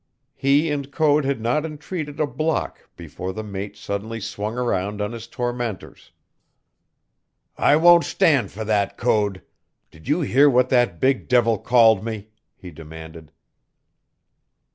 He and Code had not retreated a block before the mate suddenly swung around on his tormentors. "I won't stand for that, Code. Did you hear what that big devil called me?" he demanded.